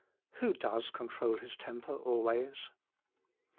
Who does control his temper, always?